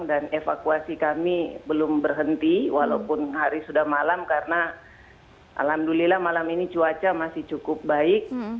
dan evakuasi kami belum berhenti walaupun hari sudah malam karena alhamdulillah malam ini cuaca masih cukup baik